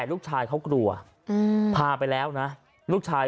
ตัดกระเพาะ